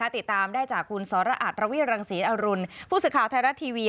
ติดตามได้จากคุณสรอัตรวิรังศรีอรุณผู้สื่อข่าวไทยรัฐทีวี